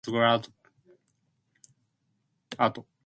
He studied Fine Art and Film at Saint Martins School of Art.